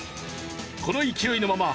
この勢いのまま